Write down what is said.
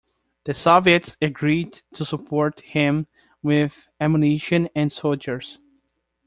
The Soviets agreed to support him with ammunition and soldiers.